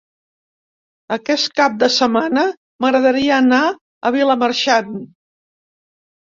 Aquest cap de setmana m'agradaria anar a Vilamarxant.